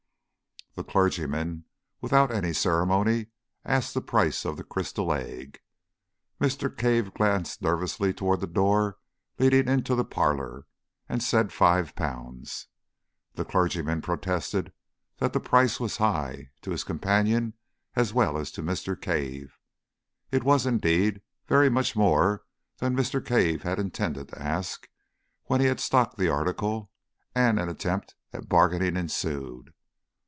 The clergyman, without any ceremony, asked the price of the crystal egg. Mr. Cave glanced nervously towards the door leading into the parlour, and said five pounds. The clergyman protested that the price was high, to his companion as well as to Mr. Cave it was, indeed, very much more than Mr. Cave had intended to ask, when he had stocked the article and an attempt at bargaining ensued.